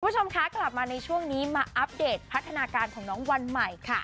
คุณผู้ชมคะกลับมาในช่วงนี้มาอัปเดตพัฒนาการของน้องวันใหม่ค่ะ